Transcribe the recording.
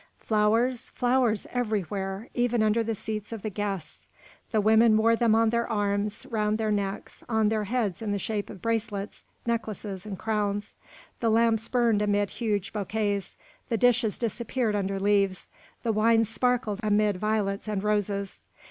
Flowers, flowers everywhere, even under the seats of the guests! The women wore them on their arms, round their necks, on their heads in the shape of bracelets, necklaces, and crowns; the lamps burned amid huge bouquets, the dishes disappeared under leaves, the wines sparkled amid violets and roses.